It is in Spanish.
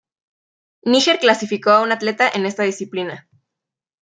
Níger clasificó a una atleta en esta disciplina.